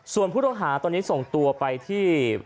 ส่วนผู้ต้องหาตอนนี้ส่งตัวไปที่